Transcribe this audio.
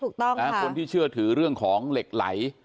คนที่เชื่อถือเรื่องของเหล็กไหล